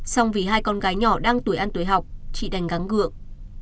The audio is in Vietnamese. xong vì hai con gái nhỏ đang tuổi ăn tuổi học chị đành gắn gượng